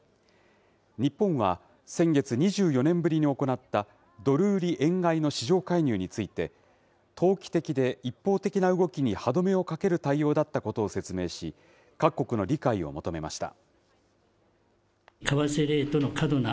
日本は、先月、２４年ぶりに行ったドル売り円買いの市場介入について、投機的で一方的な動きに歯止めをかける対応だったことを説明し、各国の理解を求めました。